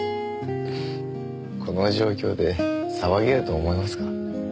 この状況で騒げると思いますか？